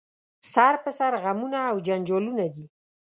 سر په سر غمونه او جنجالونه دي